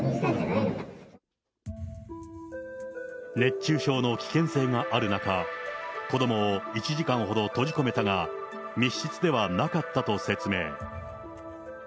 熱中症の危険性がある中、子どもを１時間ほど閉じ込めたが、密室ではなかったと説明。